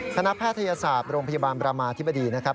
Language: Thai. แพทยศาสตร์โรงพยาบาลบรามาธิบดีนะครับ